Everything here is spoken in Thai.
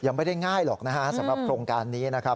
ไม่ได้ง่ายหรอกนะฮะสำหรับโครงการนี้นะครับ